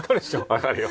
わかるよ。